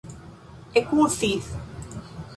ekuzis